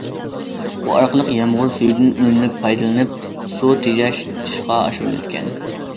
بۇ ئارقىلىق يامغۇر سۈيىدىن ئۈنۈملۈك پايدىلىنىپ، سۇ تېجەش ئىشقا ئاشۇرۇلىدىكەن.